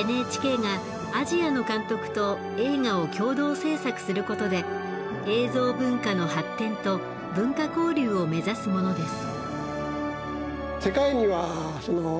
ＮＨＫがアジアの監督と映画を共同制作することで映像文化の発展と文化交流を目指すものです。